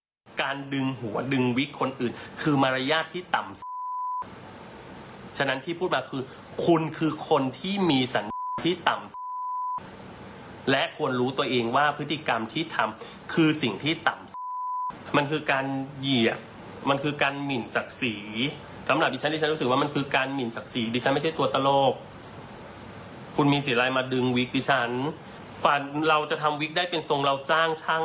หลังจากเกิดเหตุการณ์นี้คุณลินาจางเองเมื่อวานเปิดใจกับไทยรัตน์ทีวีทั้งน้ำตาเลยเหมือนกัน